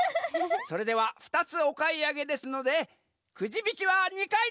それでは２つおかいあげですのでくじびきは２かいです！